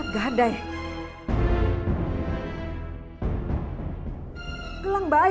gak usah dipegang pegang